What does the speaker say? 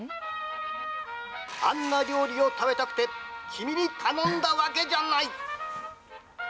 あんな料理を食べたくて君に頼んだわけじゃない！